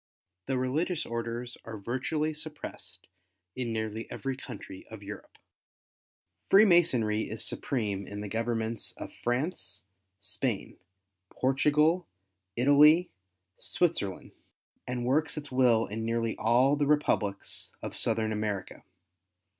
The religious orders are virtually suppressed in nearly every country of Europe. Freemasonry is supreme in the governments of France, Spain, Portugal, Italy, Switzerland, and works its will in nearly all the republics of Southern America.